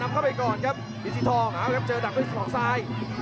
มาดูไหนนี่สี่สี่สองที่เมื่อขวา